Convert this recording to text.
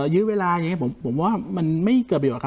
ยื้อเวลาอย่างนี้ผมว่ามันไม่เกิดประโยชน